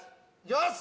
よし！